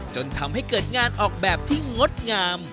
จนทำให้เกิดงานออกแบบที่งดงาม